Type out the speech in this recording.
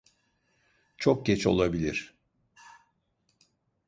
Çok geç olabilir.